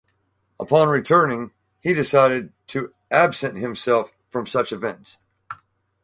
Upon returning, he decided to absent himself from such events.